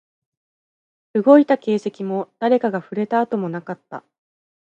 動いた形跡も、誰かが触れた跡もなかった